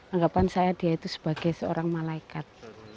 anggapan saya dia itu sebagai seorang malaikat